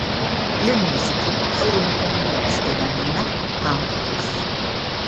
Le musiche furono composte da Nina Humphreys.